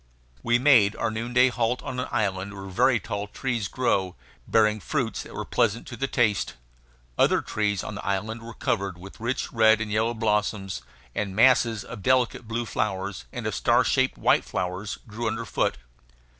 We made our noonday halt on an island where very tall trees grew, bearing fruits that were pleasant to the taste. Other trees on the island were covered with rich red and yellow blossoms; and masses of delicate blue flowers and of star shaped white flowers grew underfoot.